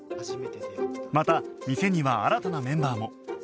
また店には新たなメンバーも